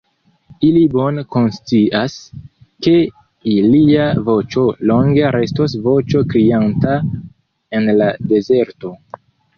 Ili bone konscias, ke ilia voĉo longe restos voĉo krianta en la dezerto.